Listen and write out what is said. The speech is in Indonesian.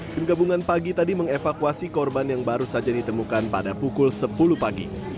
tim gabungan pagi tadi mengevakuasi korban yang baru saja ditemukan pada pukul sepuluh pagi